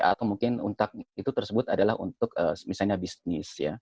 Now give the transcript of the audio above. atau mungkin untuk itu tersebut adalah untuk misalnya bisnis ya